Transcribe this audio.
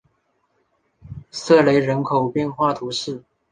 瑟雷人口变化图示